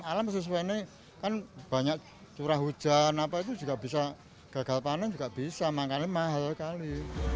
alam sesuai ini kan banyak curah hujan gagal panen juga bisa makannya mahal sekali